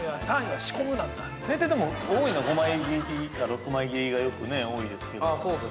◆大体でも、多いのは５枚切りか６枚切りが、よくね、多いですけども。